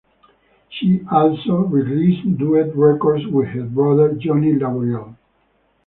She also released duet records with her brother Johnny Laboriel.